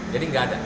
jadi enggak ada